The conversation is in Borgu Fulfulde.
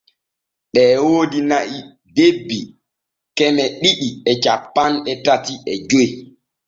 Ɓee woodi na’i debbi keme ɗiɗi e cappanɗe tati e joy.